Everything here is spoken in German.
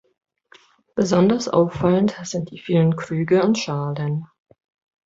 Besonders auffallend sind die vielen Krüge und Schalen.